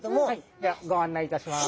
じゃご案内いたします。